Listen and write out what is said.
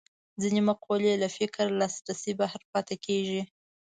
ځینې مقولې له فکر لاسرسي بهر پاتې کېږي